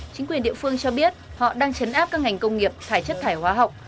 chính quyền địa phương cho biết họ đang chấn áp các ngành công nghiệp thải chất thải hóa học